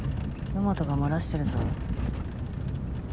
兎本が漏らしてるぞ。